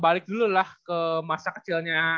balik dulu lah ke masa kecilnya